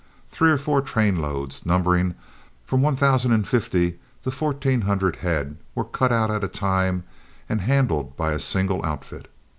Three or four trainloads, numbering from one thousand and fifty to fourteen hundred head, were cut out at a time and handled by a single outfit.